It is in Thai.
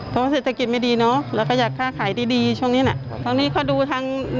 ตัวเศรษฐกิจไม่ดีเนาะเราก็อยากค่าขายดีดีช่วงนี้นะตอนนี้ก็ดูทาง